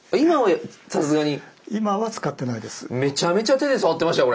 めちゃめちゃ手で触ってましたよ